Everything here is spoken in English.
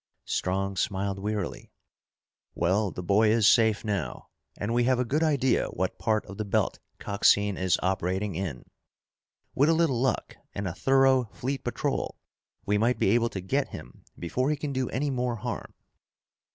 Strong smiled wearily. "Well, the boy is safe now and we have a good idea what part of the belt Coxine is operating in. With a little luck and a thorough fleet patrol, we might be able to get him before he can do any more harm."